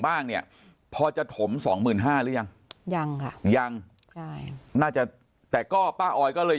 บ้างเนี่ยพอจะถมสองหมื่นห้าหรือยังยังค่ะยังใช่น่าจะแต่ก็ป้าออยก็เลย